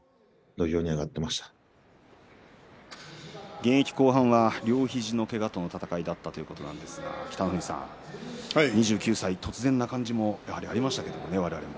現役後半は両肘のけがとの闘いだったということなんですが北の富士さん、２９歳突然な感じもやはりありましたけれどもね、我々も。